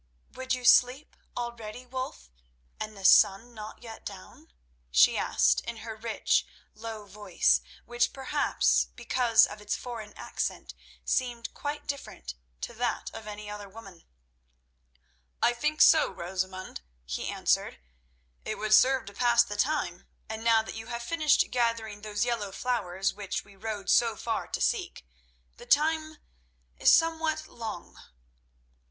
"Would you sleep already, Wulf, and the sun not yet down?" she asked in her rich, low voice, which, perhaps because of its foreign accent, seemed quite different to that of any other woman. "I think so, Rosamund," he answered. "It would serve to pass the time, and now that you have finished gathering those yellow flowers which we rode so far to seek, the time—is somewhat long."